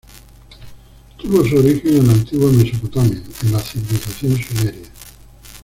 Tuvo su origen en la antigua Mesopotamia, en la civilización Sumeria.